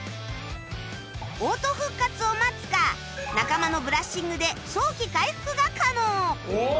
オート復活を待つか仲間のブラッシングで早期回復が可能